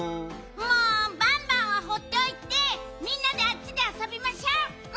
もうバンバンはほっておいてみんなであっちであそびましょう！